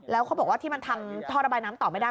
แล้วเขาบอกว่าที่มันทำท่อระบายน้ำต่อไม่ได้